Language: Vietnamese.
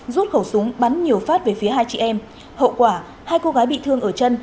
rút khẩu súng bắn nhiều phát về phía hai chị em hậu quả hai cô gái bị thương ở chân